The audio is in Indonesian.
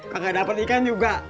kagak dapat ikan juga